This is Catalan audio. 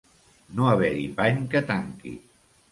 No haver-hi pany que tanqui.